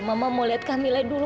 mama mau lihat kamila dulu